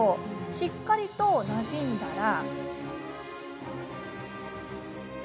しっかりとなじんだら。